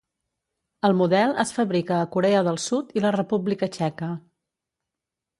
El model es fabrica a Corea del Sud i la República Txeca.